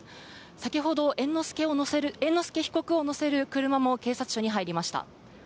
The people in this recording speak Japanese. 先ほど、猿之助被告を乗せる車も警察署に入りました。